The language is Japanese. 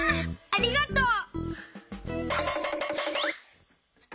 ありがとう！